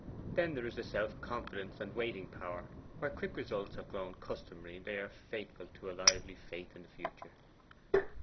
Then there is the self confidence and waiting power. Where quick results have grown customary, they are fatal to a lively faith in the future.